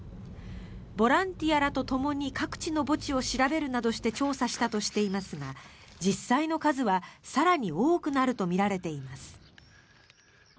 ボランティアらとともに各地の墓地を調べるなどして調査したとしていますが実際の数は更に多くなるとみられています。